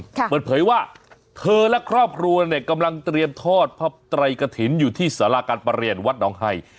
เปิดเผยว่าเธอและครอบครัวเนี่ยกำลังเตรียมทอดพระไตรกฐินอยู่ที่สาราการประเรียนวัดหนองไฮ